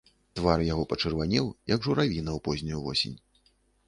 Твар яго пачырванеў, як журавіна ў познюю восень.